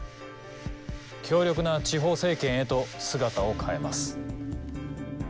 強力な地方政権へと姿を変えます。